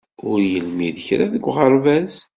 Ur yelmid kra deg uɣerbaz.